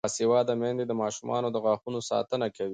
باسواده میندې د ماشومانو د غاښونو ساتنه کوي.